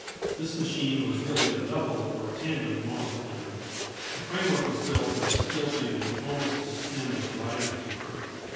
This machine was really a double, or tandem, monoplane. The framework was built of steel tubing almost as thin as writing paper.